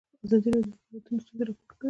ازادي راډیو د اقلیتونه ستونزې راپور کړي.